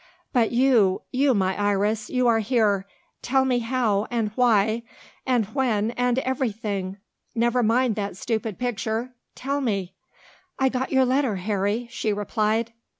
"But you you, my Iris; you are here tell me how and why and when, and everything? Never mind that stupid picture: tell me." "I got your letter, Harry," she replied.